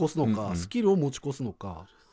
スキルを持ち越すのか。